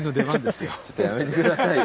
ちょっとやめて下さいよ。